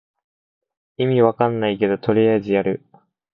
意味わかんないけどとりあえずやる